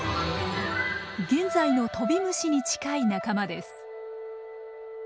現在のトビムシに近い仲間です。